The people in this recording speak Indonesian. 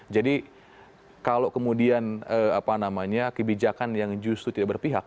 jadi kalau kemudian kebijakan yang justru tidak berpihak